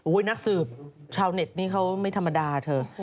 นักสืบชาวเน็ตนี่เขาไม่ธรรมดาเธอ